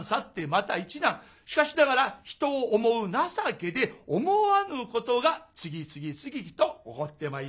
しかしながら人を思う情けで思わぬことが次々次にと起こってまいります。